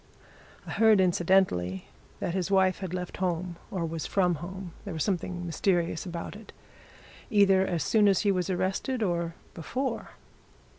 I heard, incidentally, that his wife had left home, or was from home there was something mysterious about it either as soon as he was arrested or before.